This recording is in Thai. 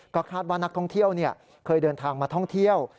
ก็คาดว่านักท่องเที่ยวเคยเดินทางมาท่องเที่ยว